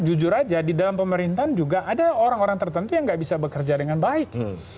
jujur aja di dalam pemerintahan juga ada orang orang tertentu yang nggak bisa bekerja dengan baik